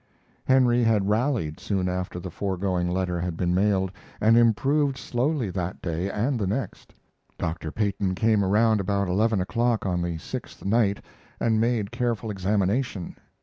Henry had rallied soon after the foregoing letter had been mailed, and improved slowly that day and the next: Dr. Peyton came around about eleven o'clock on the sixth night and made careful examination.